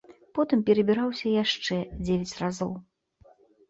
Потым перабіраўся яшчэ дзевяць разоў.